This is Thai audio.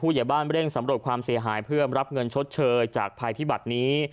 อย่าบ้านเร่งสำรวจความเสียหายเพื่อรับเงินชดเชยจากภัยพิบัตินี้